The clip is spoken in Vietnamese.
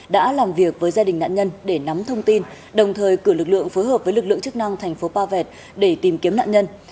đã làm việc với gia đình nạn nhân để nắm thông tin đồng thời cử lực lượng phối hợp với lực lượng chức năng thành phố pa vẹt để tìm kiếm nạn nhân